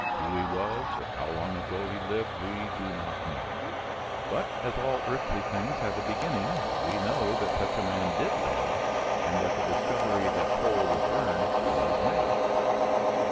Who he was or how long ago he lived we do not know, but as all earthly things have a beginning, we know that such a man did live and that the discovery that coal would burn was made.